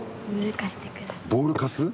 ボール貸す？